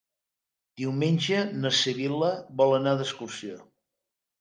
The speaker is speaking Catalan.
Diumenge na Sibil·la vol anar d'excursió.